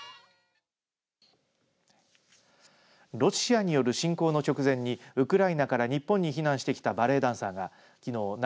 ロシアによる侵攻の直前にウクライナから日本に避難してきたバレエダンサーがきのう